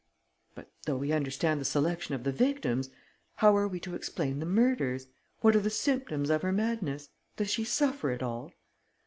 "But, though we understand the selection of the victims, how are we to explain the murders? What are the symptoms of her madness? Does she suffer at all?"